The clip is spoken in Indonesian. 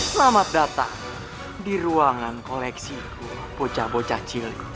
selamat datang di ruangan koleksiku bocah bocah ciliku